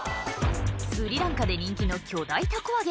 スリランカで人気の巨大たこ揚げ